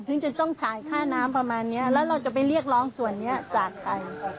ถึงจะต้องจ่ายค่าน้ำประมาณนี้แล้วเราจะไปเรียกร้องส่วนนี้จากใคร